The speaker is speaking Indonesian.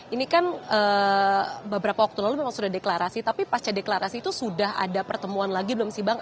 ini kan beberapa waktu lalu memang sudah deklarasi tapi pasca deklarasi itu sudah ada pertemuan lagi belum sih bang